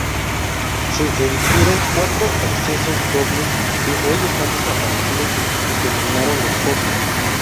Se erigieron cuatro accesos dobles que hoy están desaparecidos y se eliminaron los fosos.